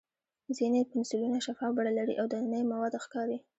ځینې پنسلونه شفاف بڼه لري او دننه یې مواد ښکاري.